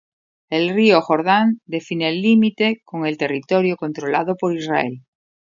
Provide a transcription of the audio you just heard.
El río Jordan define el límite con el territorio controlado por Israel.